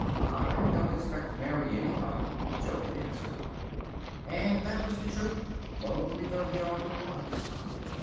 "I don't expect to marry anybody," Jo had answered. And that was the truth, lonely though he often was.